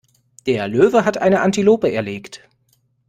Der Löwe hat eine Antilope erlegt.